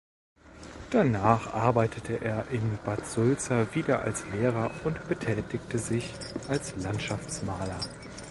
Danach arbeitete er in Bad Sulza wieder als Lehrer und betätigte sich als Landschaftsmaler.